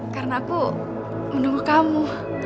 karena aku menunggu kamu